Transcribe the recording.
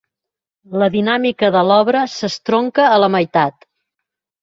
La dinàmica de l'obra s'estronca a la meitat.